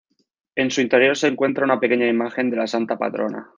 En su interior se encuentra una pequeña imagen de la santa patrona.